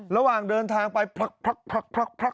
ระหว่างเดินทางไปพลั๊กพลั๊กพลั๊กพลั๊กพลั๊ก